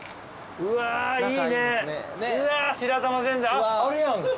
あっあるやん。